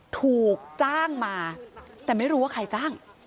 ถูกจ้างมาแต่ไม่รู้ว่าใครจ้าง